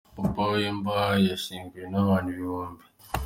Amafoto: Papa Wemba yashyinguwe n’abantu ibihumbi .